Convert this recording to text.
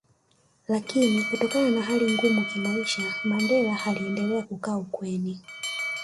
Lakini Kutokana na hali ngumu kimaisha Mandela aliendelea kukaa ukweni